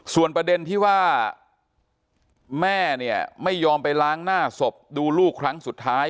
ส่วนประเด็นที่ว่าแม่เนี่ยไม่ยอมไปล้างหน้าศพดูลูกครั้งสุดท้าย